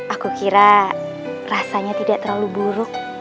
aku kira rasanya tidak terlalu buruk